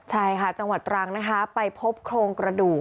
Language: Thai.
ใช่ค่ะจังหวัดตรังนะคะไปพบโครงกระดูก